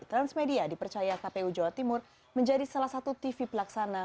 transmedia dipercaya kpu jawa timur menjadi salah satu tv pelaksana